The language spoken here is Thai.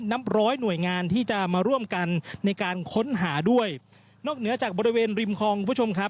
นับร้อยหน่วยงานที่จะมาร่วมกันในการค้นหาด้วยนอกเหนือจากบริเวณริมคลองคุณผู้ชมครับ